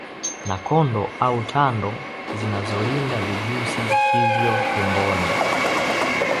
na kondo au tando zinazolinda vijusi hivyo tumboni